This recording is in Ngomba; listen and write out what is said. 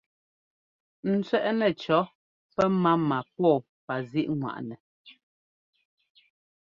N tsẅɛ́ꞌnɛ cɔ̌ pɛmáma pɔ́ɔpazíꞌŋwaꞌnɛ.